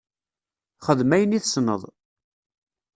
Xdem ayen i tessneḍ.